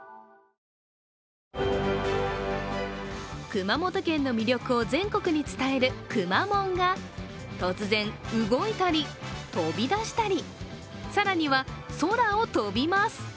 熊本県の魅力を全国に伝えるくまモンが突然、動いたり、飛び出したり、更には空を飛びます。